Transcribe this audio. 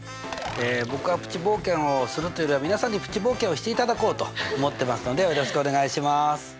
僕はプチ冒険をするというよりは皆さんにプチ冒険をしていただこうと思ってますのでよろしくお願いします！